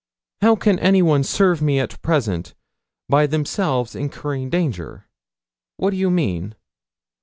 How can anyone serve me at present, by themselves incurring danger? What do you mean?'